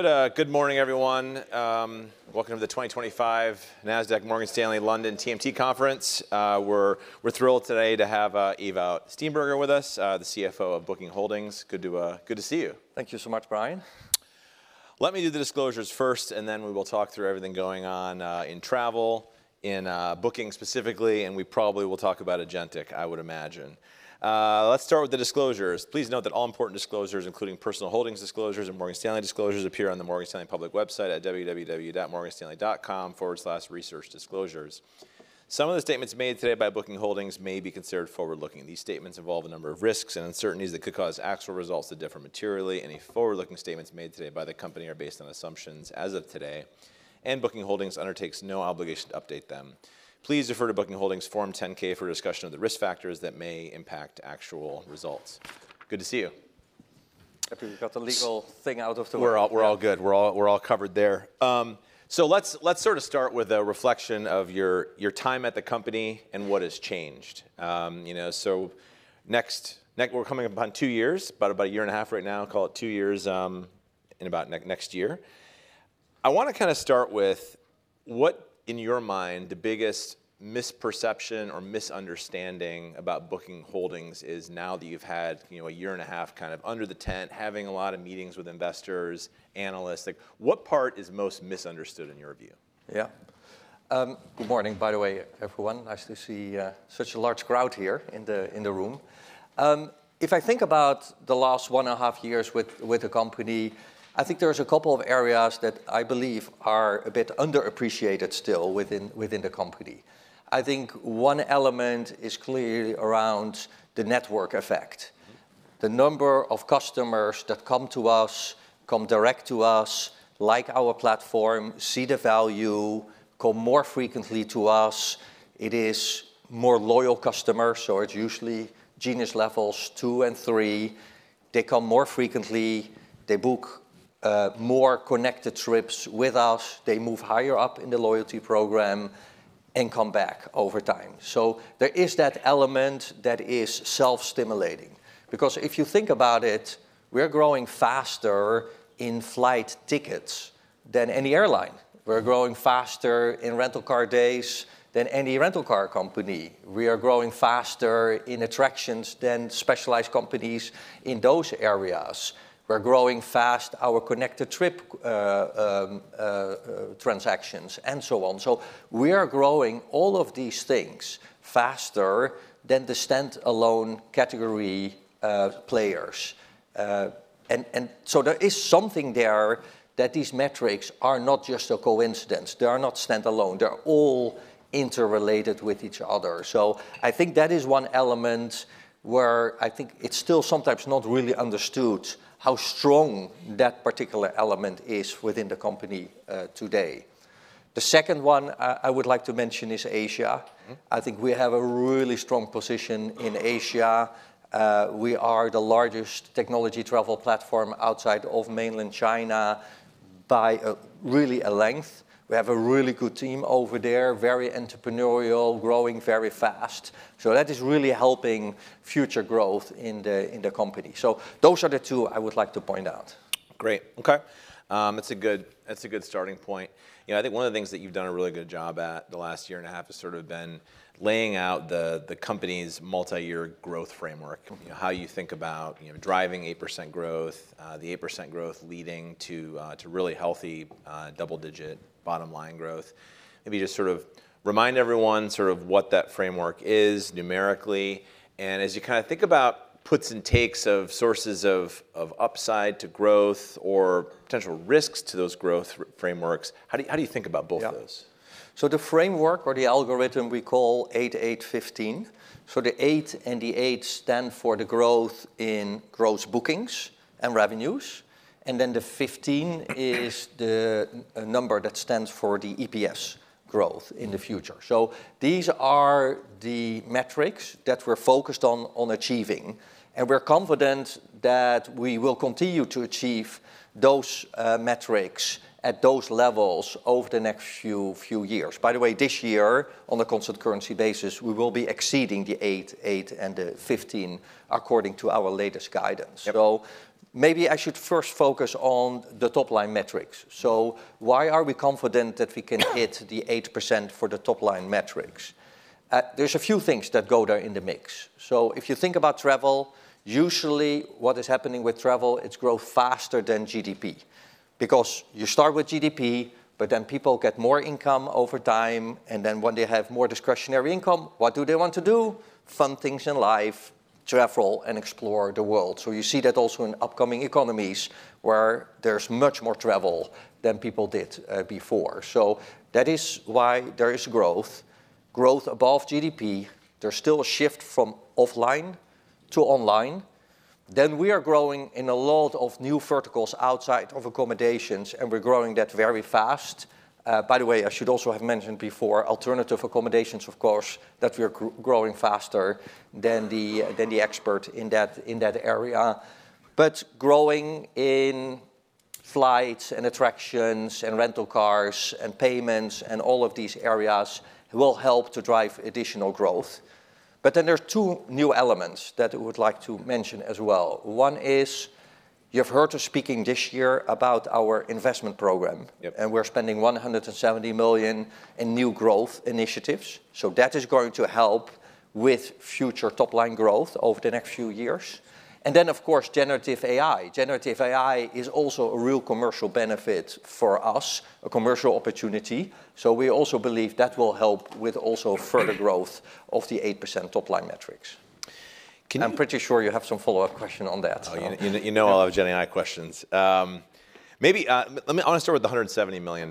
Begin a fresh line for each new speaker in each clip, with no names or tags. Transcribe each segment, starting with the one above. Good morning, everyone. Welcome to the 2025 Nasdaq Morgan Stanley London TMT conference. We're thrilled today to have Ewout Steenbergen with us, the CFO of Booking Holdings. Good to see you.
Thank you so much, Brian.
Let me do the disclosures first, and then we will talk through everything going on in travel, in Booking specifically, and we probably will talk about agentic, I would imagine. Let's start with the disclosures. Please note that all important disclosures, including personal holdings disclosures and Morgan Stanley disclosures, appear on the Morgan Stanley public website at www.morganstanley.com/researchdisclosures. Some of the statements made today by Booking Holdings may be considered forward-looking. These statements involve a number of risks and uncertainties that could cause actual results to differ materially. Any forward-looking statements made today by the company are based on assumptions as of today, and Booking Holdings undertakes no obligation to update them. Please refer to Booking Holdings Form 10-K for discussion of the risk factors that may impact actual results. Good to see you.
Have you got the legal thing out of the way?
We're all good. We're all covered there. So let's sort of start with a reflection of your time at the company and what has changed. So next, we're coming up on two years, about a year and a half right now. Call it two years in about next year. I want to kind of start with what, in your mind, the biggest misperception or misunderstanding about Booking Holdings is now that you've had a year and a half kind of under the tent, having a lot of meetings with investors, analysts. What part is most misunderstood in your view?
Yeah. Good morning, by the way, everyone. Nice to see such a large crowd here in the room. If I think about the last one and a half years with the company, I think there are a couple of areas that I believe are a bit underappreciated still within the company. I think one element is clearly around the network effect. The number of customers that come to us, come direct to us, like our platform, see the value, come more frequently to us. It is more loyal customers, so it's usually Genius levels 2 and 3. They come more frequently. They book more Connected Trips with us. They move higher up in the loyalty program and come back over time. So there is that element that is self-stimulating. Because if you think about it, we're growing faster in flight tickets than any airline. We're growing faster in rental car days than any rental car company. We are growing faster in attractions than specialized companies in those areas. We're growing fast our Connected Trip transactions and so on. So we are growing all of these things faster than the standalone category players, and so there is something there that these metrics are not just a coincidence. They are not standalone. They're all interrelated with each other, so I think that is one element where I think it's still sometimes not really understood how strong that particular element is within the company today. The second one I would like to mention is Asia. I think we have a really strong position in Asia. We are the largest technology travel platform outside of Mainland China by really a length. We have a really good team over there, very entrepreneurial, growing very fast. So that is really helping future growth in the company. So those are the two I would like to point out.
Great. Okay. That's a good starting point. I think one of the things that you've done a really good job at the last year and a half has sort of been laying out the company's multi-year growth framework, how you think about driving 8% growth, the 8% growth leading to really healthy double-digit bottom line growth. Maybe just sort of remind everyone sort of what that framework is numerically. And as you kind of think about puts and takes of sources of upside to growth or potential risks to those growth frameworks, how do you think about both of those?
So the framework or the algorithm we call 8-8-15. So the eight and the eight stand for the growth in gross bookings and revenues. And then the 15 is the number that stands for the EPS growth in the future. So these are the metrics that we're focused on achieving. And we're confident that we will continue to achieve those metrics at those levels over the next few years. By the way, this year, on a constant currency basis, we will be exceeding the eight, eight, and the 15 according to our latest guidance. So maybe I should first focus on the top-line metrics. So why are we confident that we can hit the 8% for the top-line metrics? There's a few things that go there in the mix. So if you think about travel, usually what is happening with travel, it's growth faster than GDP. Because you start with GDP, but then people get more income over time, and then when they have more discretionary income, what do they want to do? Fun things in life, travel, and explore the world, so you see that also in upcoming economies where there's much more travel than people did before, so that is why there is growth, growth above GDP. There's still a shift from offline to online, then we are growing in a lot of new verticals outside of accommodations, and we're growing that very fast. By the way, I should also have mentioned before, alternative accommodations, of course, that we are growing faster than the expert in that area, but growing in flights and attractions and rental cars and payments and all of these areas will help to drive additional growth. But then there are two new elements that I would like to mention as well. One is you've heard us speaking this year about our investment program, and we're spending $170 million in new growth initiatives. So that is going to help with future top-line growth over the next few years. And then, of course, Generative AI. Generative AI is also a real commercial benefit for us, a commercial opportunity. So we also believe that will help with also further growth of the 8% top-line metrics. I'm pretty sure you have some follow-up question on that.
You know I'll have Gen AI questions. I want to start with the $170 million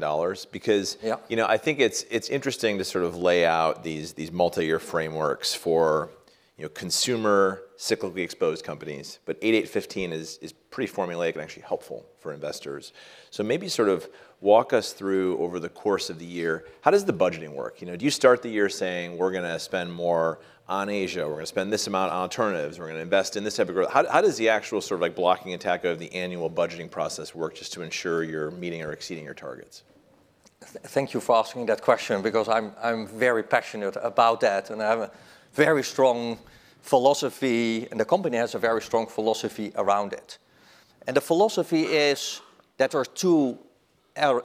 because I think it's interesting to sort of lay out these multi-year frameworks for consumer cyclically exposed companies. But 8-8-15 is pretty formulaic and actually helpful for investors. So maybe sort of walk us through over the course of the year, how does the budgeting work? Do you start the year saying, "We're going to spend more on Asia. We're going to spend this amount on alternatives. We're going to invest in this type of growth"? How does the actual sort of blocking and tackling of the annual budgeting process work just to ensure you're meeting or exceeding your targets?
Thank you for asking that question because I'm very passionate about that, and I have a very strong philosophy, and the company has a very strong philosophy around it, and the philosophy is that there are two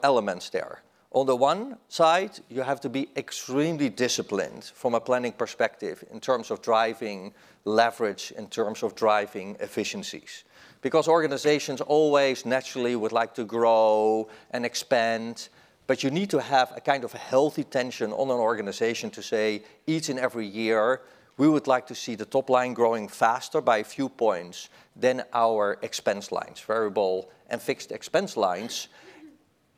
elements there. On the one side, you have to be extremely disciplined from a planning perspective in terms of driving leverage, in terms of driving efficiencies. Because organizations always naturally would like to grow and expand, but you need to have a kind of healthy tension on an organization to say, "Each and every year, we would like to see the top line growing faster by a few points than our expense lines, variable and fixed expense lines,"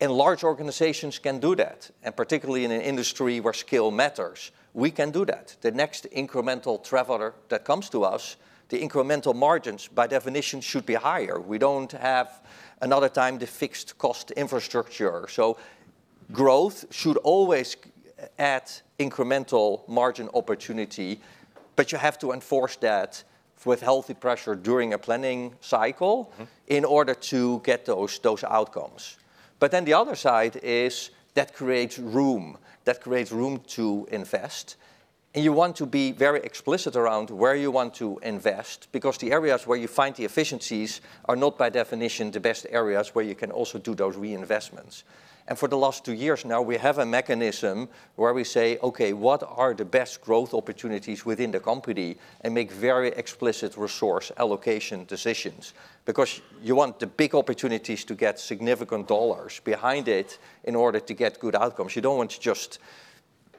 and large organizations can do that, and particularly in an industry where skill matters. We can do that. The next incremental traveler that comes to us, the incremental margins by definition should be higher. We don't have a ton of fixed cost infrastructure, so growth should always add incremental margin opportunity, but you have to enforce that with healthy pressure during a planning cycle in order to get those outcomes. But then the other side is that creates room, that creates room to invest. And you want to be very explicit around where you want to invest because the areas where you find the efficiencies are not by definition the best areas where you can also do those reinvestments. And for the last two years now, we have a mechanism where we say, "Okay, what are the best growth opportunities within the company?" and make very explicit resource allocation decisions. Because you want the big opportunities to get significant dollars behind it in order to get good outcomes. You don't want to just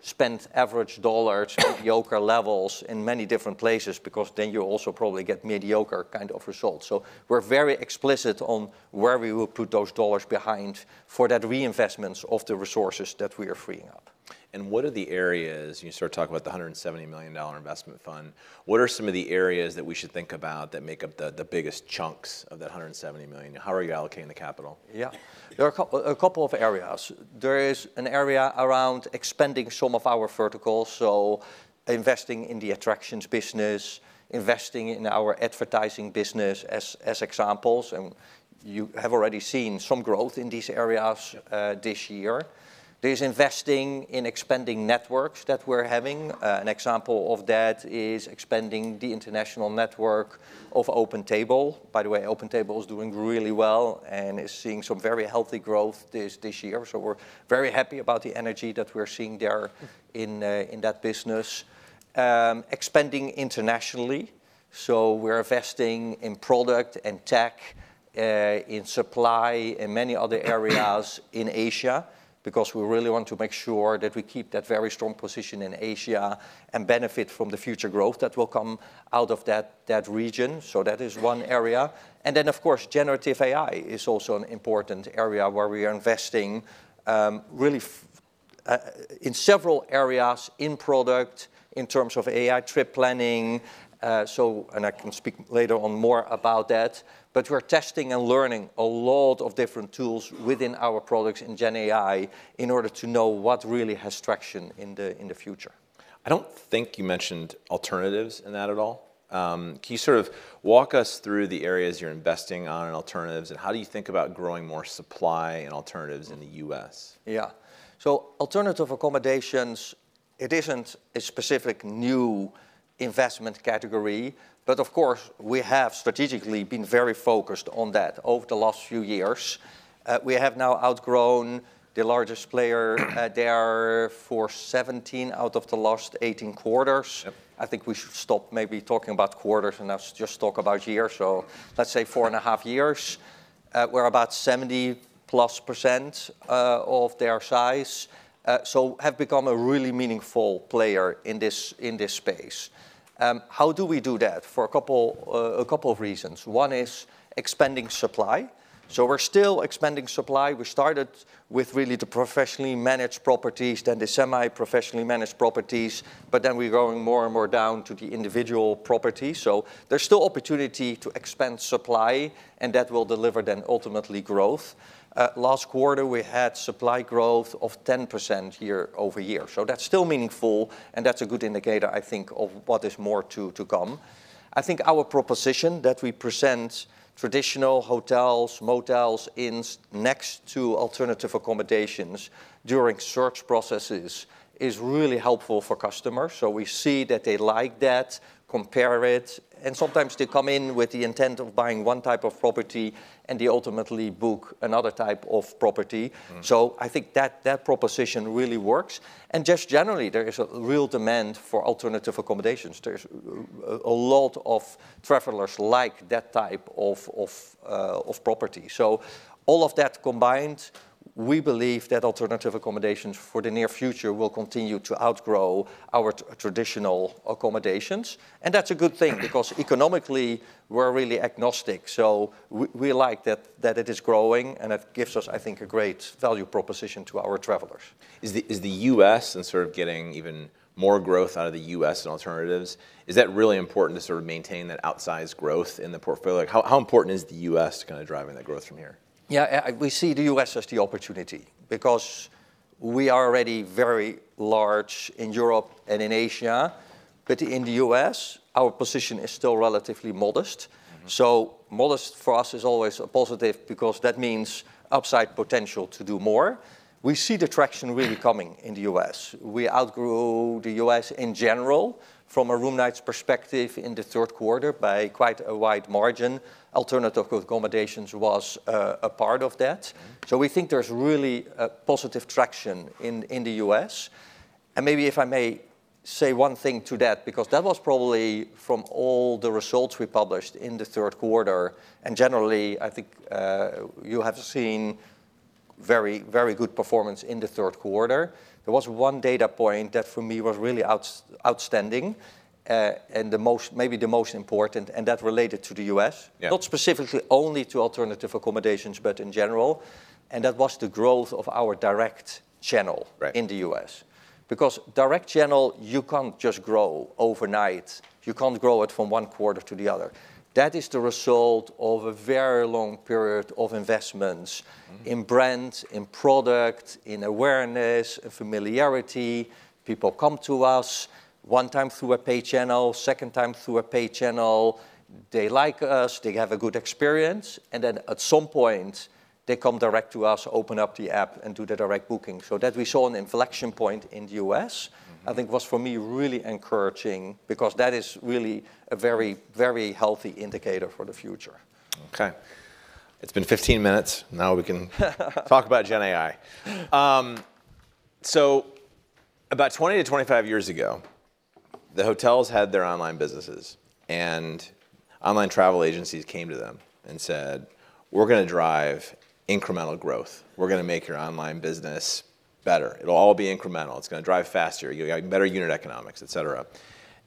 spend average dollars, mediocre levels in many different places because then you also probably get mediocre kind of results. So we're very explicit on where we will put those dollars behind for that reinvestment of the resources that we are freeing up.
What are the areas you start talking about the $170 million investment fund? What are some of the areas that we should think about that make up the biggest chunks of that $170 million? How are you allocating the capital?
Yeah. There are a couple of areas. There is an area around expanding some of our verticals, so investing in the attractions business, investing in our advertising business as examples. And you have already seen some growth in these areas this year. There's investing in expanding networks that we're having. An example of that is expanding the international network of OpenTable. By the way, OpenTable is doing really well and is seeing some very healthy growth this year. So we're very happy about the energy that we're seeing there in that business. Expanding internationally. So we're investing in product and tech, in supply, and many other areas in Asia because we really want to make sure that we keep that very strong position in Asia and benefit from the future growth that will come out of that region. So that is one area. And then, of course, Generative AI is also an important area where we are investing really in several areas in product in terms of AI trip planning. And I can speak later on more about that. But we're testing and learning a lot of different tools within our products in Gen AI in order to know what really has traction in the future.
I don't think you mentioned alternatives in that at all. Can you sort of walk us through the areas you're investing on and alternatives, and how do you think about growing more supply and alternatives in the U.S.?
Yeah. So alternative accommodations, it isn't a specific new investment category, but of course, we have strategically been very focused on that over the last few years. We have now outgrown the largest player there for 17 out of the last 18 quarters. I think we should stop maybe talking about quarters and just talk about years. So let's say 4.5 years. We're about 70%+ of their size, so have become a really meaningful player in this space. How do we do that? For a couple of reasons. One is expanding supply. So we're still expanding supply. We started with really the professionally managed properties, then the semi-professionally managed properties, but then we're going more and more down to the individual properties. So there's still opportunity to expand supply, and that will deliver then ultimately growth. Last quarter, we had supply growth of 10% year-over-year. So that's still meaningful, and that's a good indicator, I think, of what is more to come. I think our proposition that we present traditional hotels, motels next to alternative accommodations during search processes is really helpful for customers. So we see that they like that, compare it, and sometimes they come in with the intent of buying one type of property and they ultimately book another type of property. So I think that proposition really works. And just generally, there is a real demand for alternative accommodations. There's a lot of travelers like that type of property. So all of that combined, we believe that alternative accommodations for the near future will continue to outgrow our traditional accommodations. And that's a good thing because economically, we're really agnostic. So we like that it is growing, and it gives us, I think, a great value proposition to our travelers.
Is the U.S. and sort of getting even more growth out of the U.S. and alternatives, is that really important to sort of maintain that outsized growth in the portfolio? How important is the U.S. kind of driving that growth from here?
Yeah, we see the U.S. as the opportunity because we are already very large in Europe and in Asia. But in the U.S., our position is still relatively modest. So modest for us is always a positive because that means upside potential to do more. We see the traction really coming in the U.S. We outgrew the U.S. in general from a room nights perspective in the third quarter by quite a wide margin. Alternative accommodations was a part of that. So we think there's really a positive traction in the U.S. And maybe if I may say one thing to that, because that was probably from all the results we published in the third quarter. And generally, I think you have seen very, very good performance in the third quarter. There was one data point that for me was really outstanding and maybe the most important, and that related to the U.S., not specifically only to alternative accommodations, but in general, and that was the growth of our direct channel in the U.S. Because direct channel, you can't just grow overnight. You can't grow it from one quarter to the other. That is the result of a very long period of investments in brands, in product, in awareness, in familiarity. People come to us one time through a paid channel, second time through a paid channel. They like us. They have a good experience, and then at some point, they come direct to us, open up the app, and do the direct booking. So that we saw an inflection point in the U.S., I think was for me really encouraging because that is really a very, very healthy indicator for the future.
Okay. It's been 15 minutes. Now we can talk about Gen AI. So about 20-25 years ago, the hotels had their online businesses, and online travel agencies came to them and said, "We're going to drive incremental growth. We're going to make your online business better. It'll all be incremental. It's going to drive faster. You'll have better unit economics, et cetera."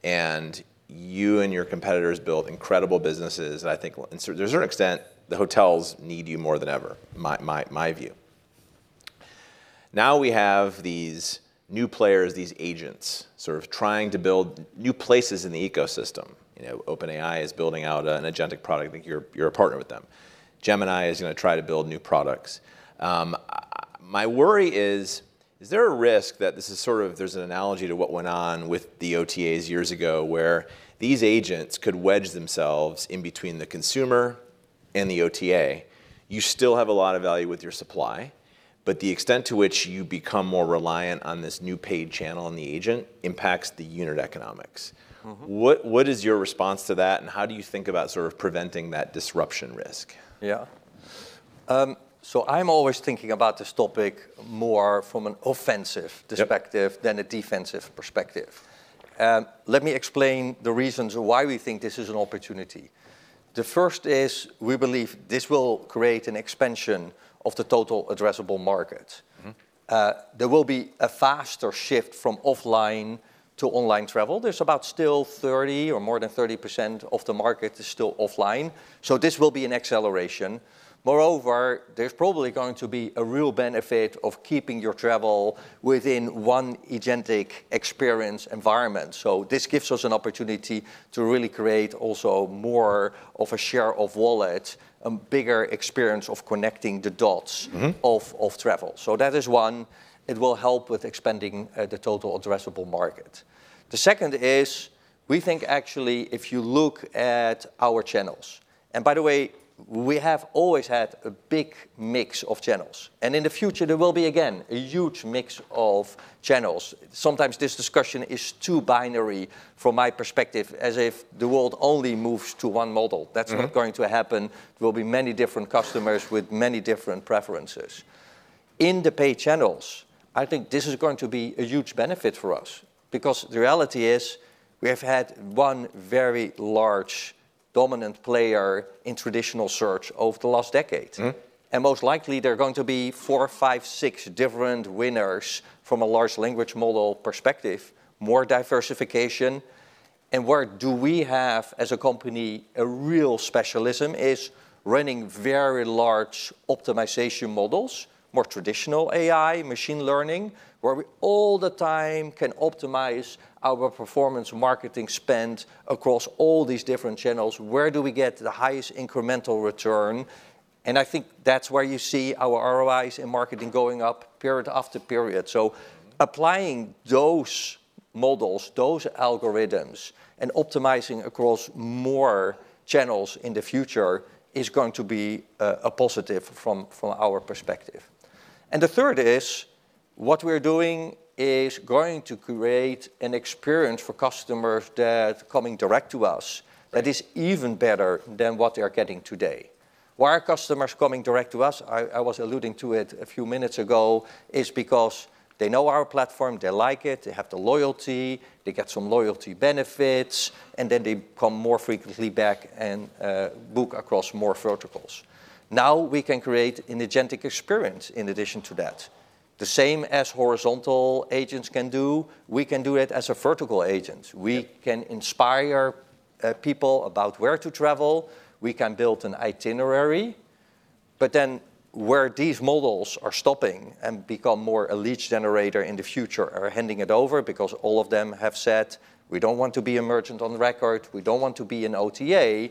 And you and your competitors built incredible businesses. And I think to a certain extent, the hotels need you more than ever, my view. Now we have these new players, these agents sort of trying to build new places in the ecosystem. OpenAI is building out an agentic product. I think you're a partner with them. Gemini is going to try to build new products. My worry is, is there a risk that this is sort of there's an analogy to what went on with the OTAs years ago where these agents could wedge themselves in between the consumer and the OTA? You still have a lot of value with your supply, but the extent to which you become more reliant on this new paid channel and the agent impacts the unit economics. What is your response to that, and how do you think about sort of preventing that disruption risk?
Yeah. So I'm always thinking about this topic more from an offensive perspective than a defensive perspective. Let me explain the reasons why we think this is an opportunity. The first is we believe this will create an expansion of the total addressable market. There will be a faster shift from offline to online travel. There's about still 30% or more than 30% of the market is still offline. So this will be an acceleration. Moreover, there's probably going to be a real benefit of keeping your travel within one agentic experience environment. So this gives us an opportunity to really create also more of a share of wallet, a bigger experience of connecting the dots of travel. So that is one. It will help with expanding the total addressable market. The second is we think actually if you look at our channels, and by the way, we have always had a big mix of channels. And in the future, there will be again a huge mix of channels. Sometimes this discussion is too binary from my perspective, as if the world only moves to one model. That's not going to happen. There will be many different customers with many different preferences. In the paid channels, I think this is going to be a huge benefit for us because the reality is we have had one very large dominant player in traditional search over the last decade. And most likely, there are going to be four, five, six different winners from a large language model perspective, more diversification. And where do we have, as a company, a real specialism? [It] is running very large optimization models, more traditional AI, machine learning, where we all the time can optimize our performance marketing spend across all these different channels. Where do we get the highest incremental return? And I think that's where you see our ROIs in marketing going up, period after period. So applying those models, those algorithms, and optimizing across more channels in the future is going to be a positive from our perspective. And the third is what we're doing is going to create an experience for customers that are coming direct to us that is even better than what they're getting today. Why are customers coming direct to us? I was alluding to it a few minutes ago is because they know our platform, they like it, they have the loyalty, they get some loyalty benefits, and then they come more frequently back and book across more verticals. Now we can create an agentic experience in addition to that. The same as horizontal agents can do, we can do it as a vertical agent. We can inspire people about where to travel. We can build an itinerary. But then where these models are stopping and become more a lead generator in the future are handing it over because all of them have said, "We don't want to be a merchant of record. We don't want to be an OTA."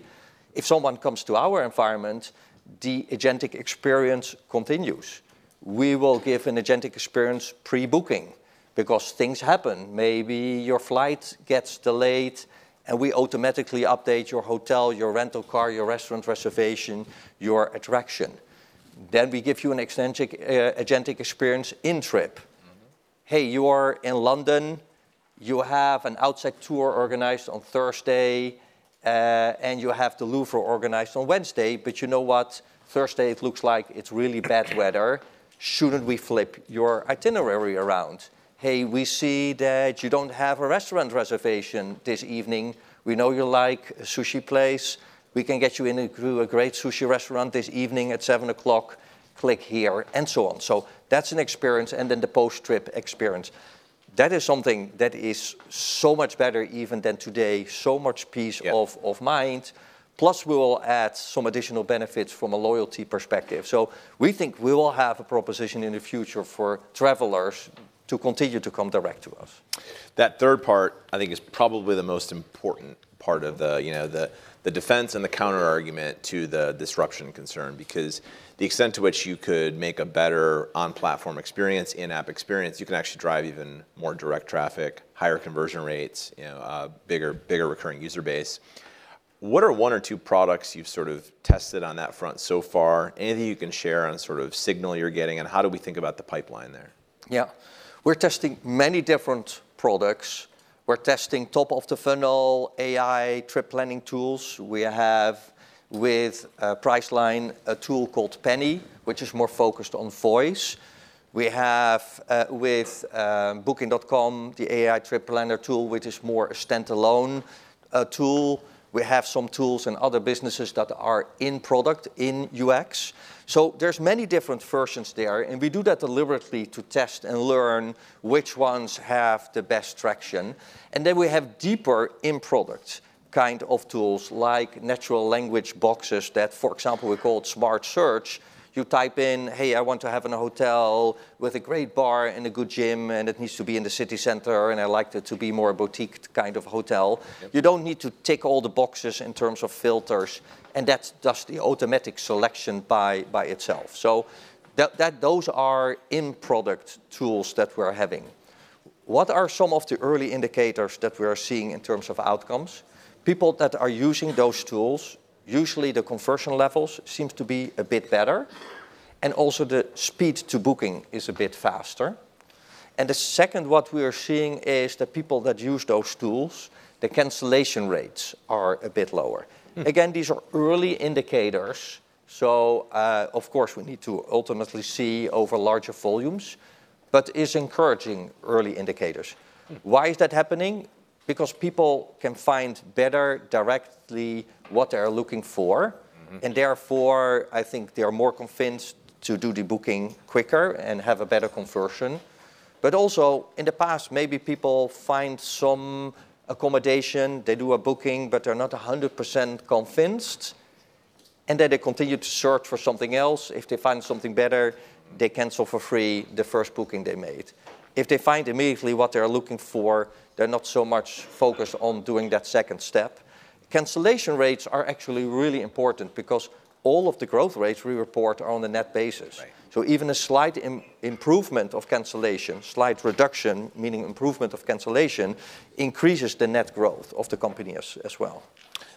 If someone comes to our environment, the agentic experience continues. We will give an agentic experience pre-booking because things happen. Maybe your flight gets delayed, and we automatically update your hotel, your rental car, your restaurant reservation, your attraction. Then we give you an agentic experience in trip. Hey, you are in London. You have an outside tour organized on Thursday, and you have The Louvre organized on Wednesday. But you know what? Thursday, it looks like it's really bad weather. Shouldn't we flip your itinerary around? Hey, we see that you don't have a restaurant reservation this evening. We know you like a sushi place. We can get you into a great sushi restaurant this evening at 7:00 P.M. Click here, and so on. So that's an experience, and then the post-trip experience. That is something that is so much better even than today, so much peace of mind. Plus, we will add some additional benefits from a loyalty perspective. So we think we will have a proposition in the future for travelers to continue to come direct to us.
That third part, I think, is probably the most important part of the defense and the counterargument to the disruption concern because the extent to which you could make a better on-platform experience, in-app experience, you can actually drive even more direct traffic, higher conversion rates, bigger recurring user base. What are one or two products you've sort of tested on that front so far? Anything you can share on sort of signal you're getting and how do we think about the pipeline there?
Yeah. We're testing many different products. We're testing top-of-the-funnel AI trip planning tools. We have with Priceline a tool called Penny, which is more focused on voice. We have with Booking.com, the AI Trip Planner tool, which is more a standalone tool. We have some tools in other businesses that are in product, in UX. So there's many different versions there. And we do that deliberately to test and learn which ones have the best traction. And then we have deeper in-product kind of tools like natural language boxes that, for example, we call Smart Search. You type in, "Hey, I want to have a hotel with a great bar and a good gym, and it needs to be in the city center, and I like it to be more boutique kind of hotel." You don't need to tick all the boxes in terms of filters, and that does the automatic selection by itself. So those are in-product tools that we're having. What are some of the early indicators that we are seeing in terms of outcomes? People that are using those tools, usually the conversion levels seem to be a bit better, and also the speed to booking is a bit faster. And the second what we are seeing is that people that use those tools, the cancellation rates are a bit lower. Again, these are early indicators. So of course, we need to ultimately see over larger volumes, but it's encouraging early indicators. Why is that happening? Because people can find better directly what they are looking for. And therefore, I think they are more convinced to do the booking quicker and have a better conversion. But also in the past, maybe people find some accommodation, they do a booking, but they're not 100% convinced, and then they continue to search for something else. If they find something better, they cancel for free the first booking they made. If they find immediately what they're looking for, they're not so much focused on doing that second step. Cancellation rates are actually really important because all of the growth rates we report are on a net basis. So even a slight improvement of cancellation, slight reduction, meaning improvement of cancellation, increases the net growth of the company as well.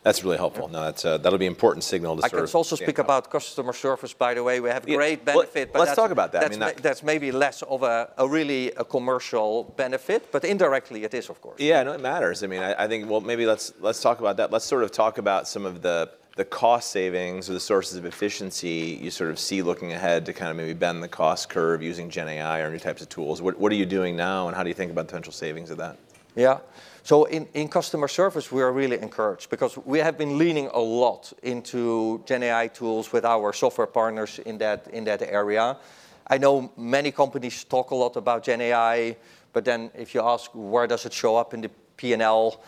That's really helpful. That'll be an important signal to start.
I can also speak about customer service, by the way. We have great benefit.
Let's talk about that.
That's maybe less of a really commercial benefit, but indirectly it is, of course.
Yeah, I know it matters. I mean, I think, well, maybe let's talk about that. Let's sort of talk about some of the cost savings or the sources of efficiency you sort of see looking ahead to kind of maybe bend the cost curve using Gen AI or new types of tools. What are you doing now, and how do you think about potential savings of that?
Yeah. So in customer service, we are really encouraged because we have been leaning a lot into Gen AI tools with our software partners in that area. I know many companies talk a lot about Gen AI, but then if you ask where does it show up in the P&L,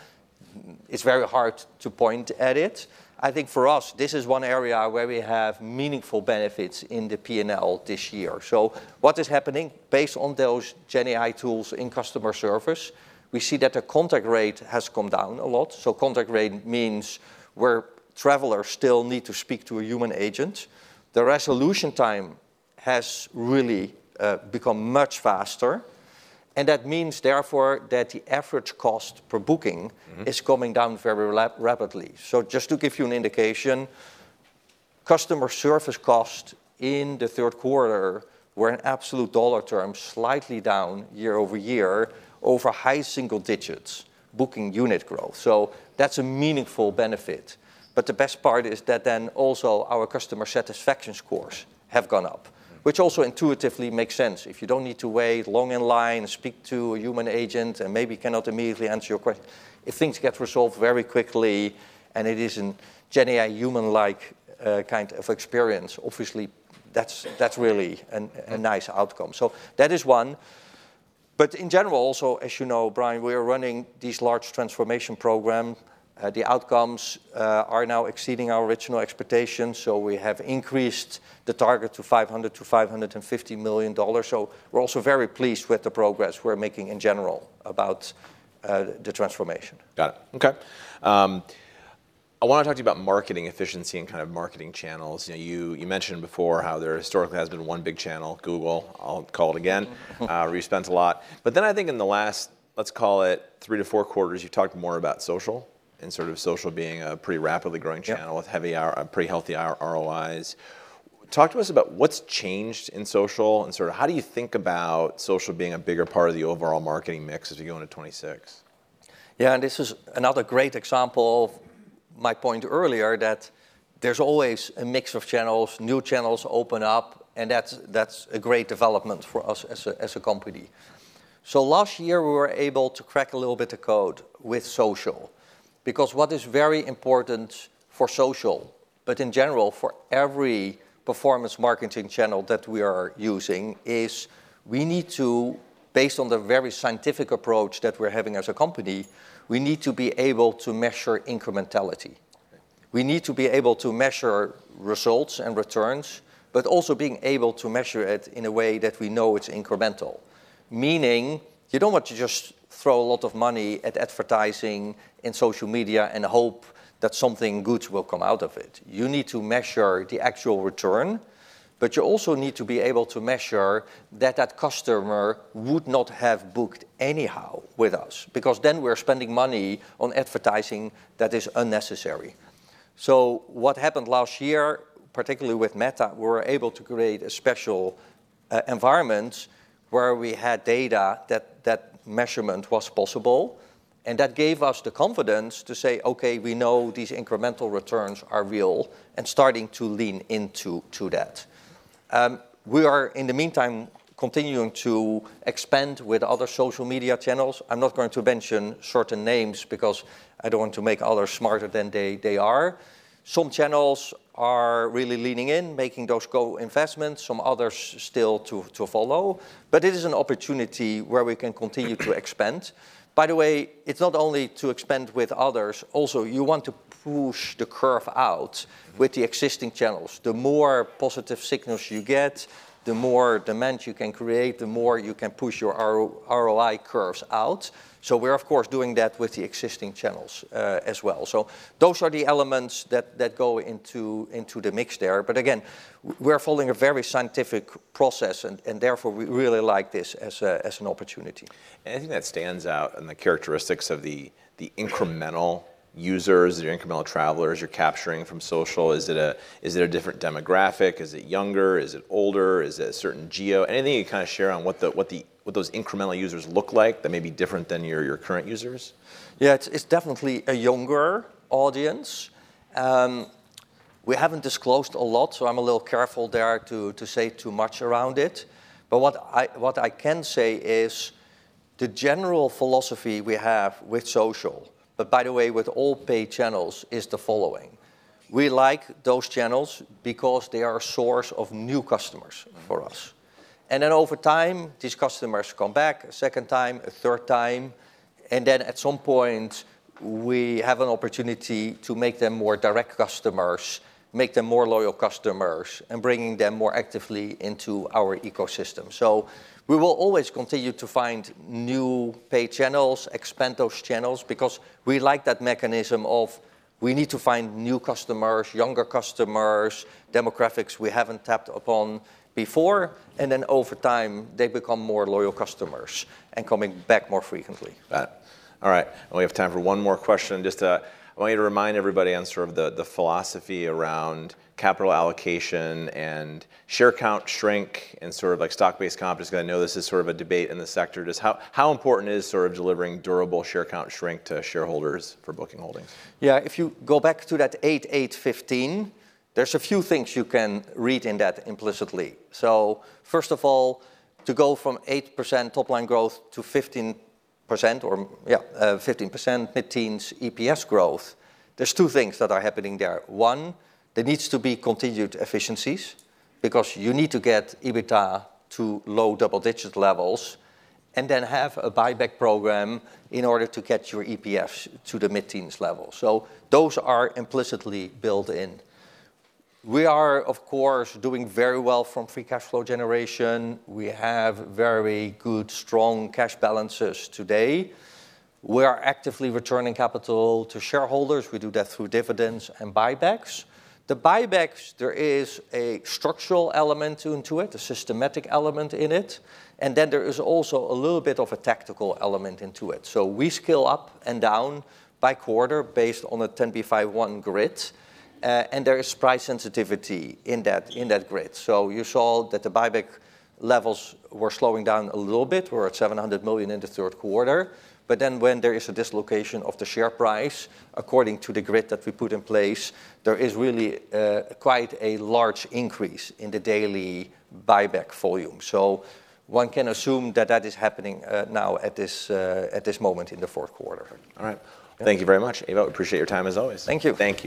it's very hard to point at it. I think for us, this is one area where we have meaningful benefits in the P&L this year. So what is happening based on those Gen AI tools in customer service? We see that the contact rate has come down a lot. So contact rate means where travelers still need to speak to a human agent. The resolution time has really become much faster. And that means therefore that the average cost per booking is coming down very rapidly. So just to give you an indication, customer service cost in the third quarter were in absolute dollar terms slightly down year-over-year over high single digits booking unit growth. So that's a meaningful benefit. But the best part is that then also our customer satisfaction scores have gone up, which also intuitively makes sense. If you don't need to wait long in line and speak to a human agent and maybe cannot immediately answer your question, if things get resolved very quickly and it isn't Gen AI human-like kind of experience, obviously that's really a nice outcome. So that is one. But in general, also, as you know, Brian, we are running these large transformation programs. The outcomes are now exceeding our original expectations. So we have increased the target to $500 million-$550 million. So we're also very pleased with the progress we're making in general about the transformation.
Got it. Okay. I want to talk to you about marketing efficiency and kind of marketing channels. You mentioned before how there historically has been one big channel, Google. I'll call it organic. We've spent a lot. But then I think in the last, let's call it three to four quarters, you've talked more about social and sort of social being a pretty rapidly growing channel with hefty, pretty healthy ROIs. Talk to us about what's changed in social and sort of how do you think about social being a bigger part of the overall marketing mix as we go into 2026?
Yeah, and this is another great example of my point earlier that there's always a mix of channels, new channels open up, and that's a great development for us as a company. So last year, we were able to crack a little bit of code with social because what is very important for social, but in general for every performance marketing channel that we are using is we need to, based on the very scientific approach that we're having as a company, we need to be able to measure incrementality. We need to be able to measure results and returns, but also being able to measure it in a way that we know it's incremental. Meaning you don't want to just throw a lot of money at advertising and social media and hope that something good will come out of it. You need to measure the actual return, but you also need to be able to measure that that customer would not have booked anyhow with us because then we're spending money on advertising that is unnecessary. So what happened last year, particularly with Meta, we were able to create a special environment where we had data that measurement was possible. And that gave us the confidence to say, "Okay, we know these incremental returns are real, and starting to lean into that." We are in the meantime continuing to expand with other social media channels. I'm not going to mention certain names because I don't want to make others smarter than they are. Some channels are really leaning in, making those co-investments. Some others still to follow. But it is an opportunity where we can continue to expand. By the way, it's not only to expand with others. Also, you want to push the curve out with the existing channels. The more positive signals you get, the more demand you can create, the more you can push your ROI curves out. So we're, of course, doing that with the existing channels as well. So those are the elements that go into the mix there. But again, we're following a very scientific process, and therefore we really like this as an opportunity.
Anything that stands out in the characteristics of the incremental users, the incremental travelers you're capturing from social? Is it a different demographic? Is it younger? Is it older? Is it a certain geo? Anything you kind of share on what those incremental users look like that may be different than your current users?
Yeah, it's definitely a younger audience. We haven't disclosed a lot, so I'm a little careful there to say too much around it. But what I can say is the general philosophy we have with social, but by the way, with all paid channels, is the following. We like those channels because they are a source of new customers for us, and then over time, these customers come back a second time, a third time, and then at some point, we have an opportunity to make them more direct customers, make them more loyal customers, and bring them more actively into our ecosystem. So we will always continue to find new paid channels, expand those channels because we like that mechanism of we need to find new customers, younger customers, demographics we haven't tapped upon before, and then over time, they become more loyal customers and coming back more frequently.
All right. We have time for one more question. Just I want you to remind everybody on sort of the philosophy around capital allocation and share count shrink and sort of like stock-based companies. I know this is sort of a debate in the sector. Just how important is sort of delivering durable share count shrink to shareholders for Booking Holdings?
Yeah, if you go back to that 8-8-15, there's a few things you can read in that implicitly. So first of all, to go from 8% top-line growth to 15% or yeah, 15% mid-teens EPS growth, there's two things that are happening there. One, there needs to be continued efficiencies because you need to get EBITDA to low double-digit levels and then have a buyback program in order to get your EPS to the mid-teens level. So those are implicitly built in. We are, of course, doing very well from free cash flow generation. We have very good, strong cash balances today. We are actively returning capital to shareholders. We do that through dividends and buybacks. The buybacks, there is a structural element into it, a systematic element in it. And then there is also a little bit of a tactical element into it. So we scale up and down by quarter based on a 10b5-1 grid. And there is price sensitivity in that grid. So you saw that the buyback levels were slowing down a little bit. We're at 700 million in the third quarter. But then when there is a dislocation of the share price according to the grid that we put in place, there is really quite a large increase in the daily buyback volume. So one can assume that that is happening now at this moment in the fourth quarter.
All right. Thank you very much, Ewout Appreciate your time as always.
Thank you.
Thank you.